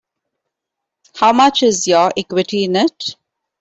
How much is your equity in it?